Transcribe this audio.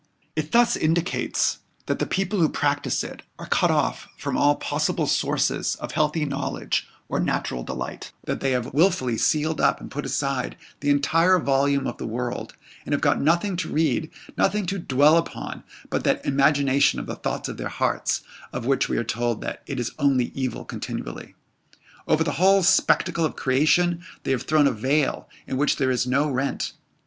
It thus indicates that the people who practise it are cut off from all possible sources of healthy knowledge or natural delight; that they have wilfully sealed up and put aside the entire volume of the world, and have got nothing to read, nothing to dwell upon, but that imagination of the thoughts of their hearts, of which we are told that "it is only evil continually." Over the whole spectacle of creation they have thrown a veil in which there is no rent.